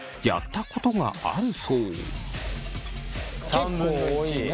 結構多いね。